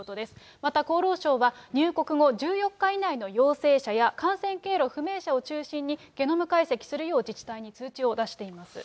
また厚労省は、入国後１４日以内の陽性者や感染経路不明者を中心に、ゲノム解析するよう自治体に通知を出しています。